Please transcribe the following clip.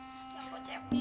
ya ampun cepi